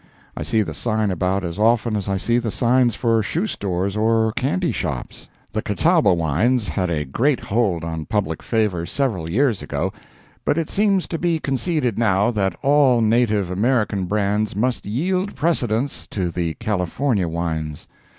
I see the sign about as often as I see the signs for shoe stores or candy shops. The Catawba wines had a great hold on public favor several years ago, but it seems to be conceded now that all native American brands must yield precedence to the California wines.